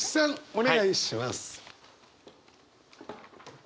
お願いします。